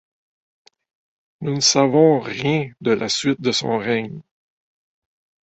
Nous ne savons rien de la suite de son règne.